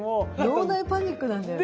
脳内パニックなんだよね。